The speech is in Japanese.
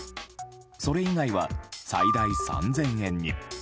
それ以外は最大３０００円に。